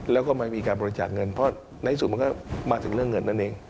แล้วก็ไม่มีการบริจาคเงินเพราะในที่สุดมันก็มาถึงเรื่องเงินนั่นเอง